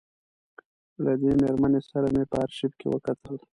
له دې مېرمنې سره مې په آرشیف کې وکتل.